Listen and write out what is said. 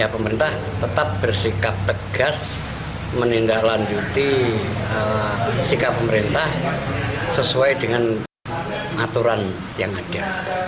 pemerintah tetap bersikap tegas menindaklanjuti sikap pemerintah sesuai dengan aturan yang ada